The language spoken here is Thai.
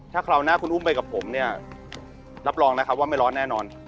ถ้าคราวหน้าคุณอุ้มไปกับผมเนี่ยรับรองนะครับว่าไม่ร้อนแน่นอน